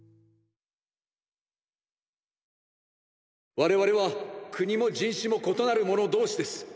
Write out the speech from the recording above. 我々は国も人種も異なる者同士です！！